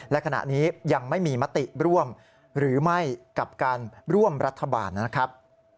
และขณะนี้ยังไม่มีมติร่วมหรือไม่กับการร่วมรัฐบาลนะครับ